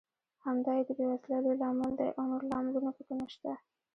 همدا یې د بېوزلۍ لوی لامل دی او نور لاملونه پکې نشته.